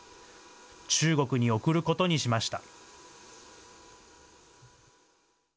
中国に送ることにしました。